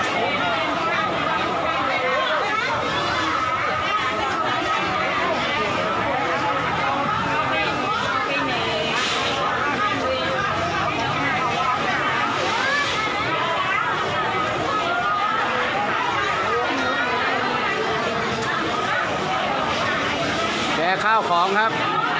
ก็แก่ข้าวของครับ